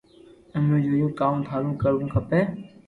امي جوئو ڪاو ٿارو ڪروو کپي